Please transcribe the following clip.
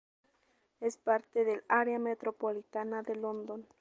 Es parte del área metropolitana de London.